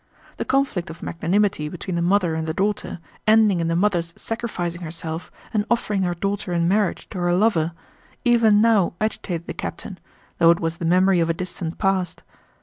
The conflict of magnanimity between the mother and the daughter, ending in the mother's sacrificing herself and offering her daughter in marriage to her lover, even now agitated the captain, though it was the memory of a distant past.